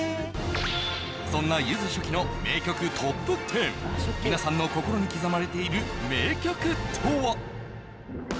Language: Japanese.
そんなゆず初期の名曲トップ１０みなさんの心に刻まれている名曲とは？